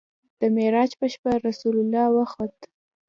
د معراج په شپه رسول الله وخوت.